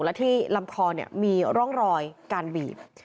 และที่ลำคอมีร่องรอยการบีบ